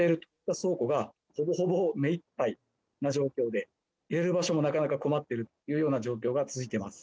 倉庫がほぼほぼ目いっぱいな状況で、入れる場所もなかなか困っているというような状況が続いています。